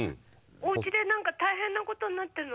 おうちで何か大変なことになってんの？